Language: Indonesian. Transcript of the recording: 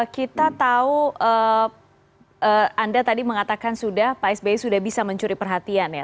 kita tahu anda tadi mengatakan sudah pak sby sudah bisa mencuri perhatian ya